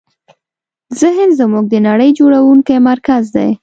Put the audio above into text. ذهن زموږ د نړۍ جوړوونکی مرکز دی.